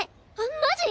マジ！？